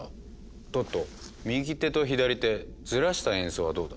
トット右手と左手ずらした演奏はどうだ。